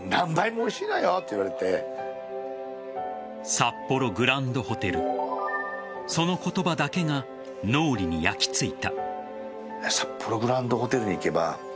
札幌グランドホテルその言葉だけが脳裏に焼きついた。